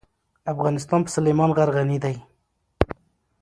افغانستان په سلیمان غر غني دی.